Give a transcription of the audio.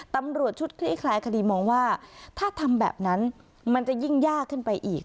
ตำรวจชุดคลี่คลายคดีมองว่าถ้าทำแบบนั้นมันจะยิ่งยากขึ้นไปอีก